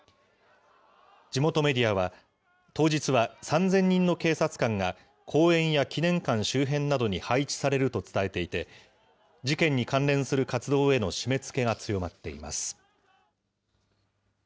地元メディアは、当日は、３０００人の警察官が公園や記念館周辺などに配置されると伝えていて、事件に関連する活動への締めつけが強まっています。